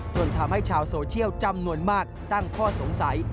จนทำให้ชาวโซเชียลจำนวนมากตั้งข้อสงสัย